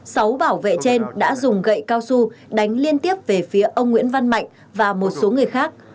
sáu bảo vệ trên đã dùng gậy cao su đánh liên tiếp về phía ông nguyễn văn mạnh và một số người khác